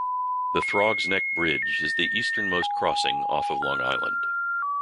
The Throgs Neck Bridge is the easternmost crossing off of Long Island.